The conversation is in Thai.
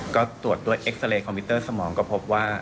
ก็ตรวจด้วยเอ็กซาเรย์คอมพิวเตอร์สมองก็พบว่า